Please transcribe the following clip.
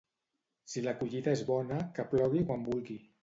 Si la collita és bona, que plogui quan vulgui.